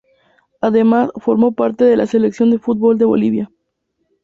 Además formó parte de la Selección de fútbol de Bolivia.